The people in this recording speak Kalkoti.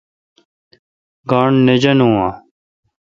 گاݨڈ نہ جانون۔